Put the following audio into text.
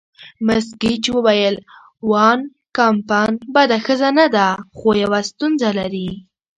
مس ګیج وویل: وان کمپن بده ښځه نه ده، خو یوه ستونزه لري.